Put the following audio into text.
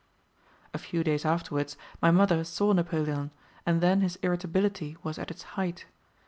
A few days afterwards my mother saw Napoleon, and then his irritability was at its height.